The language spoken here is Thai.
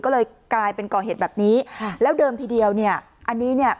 ก็เลยกลายเป็นก่อเหตุแบบนี้ค่ะแล้วเดิมทีเดียวเนี่ยอันนี้เนี่ย